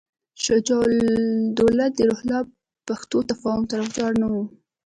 شجاع الدوله د روهیله پښتنو تفاهم طرفدار نه وو.